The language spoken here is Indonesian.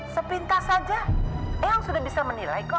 sepintas saja ea sudah bisa menilai ayo